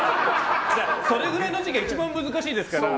それぐらいの時期が一番難しいですから。